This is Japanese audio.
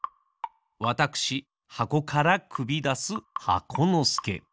わたくしはこからくびだす箱のすけ。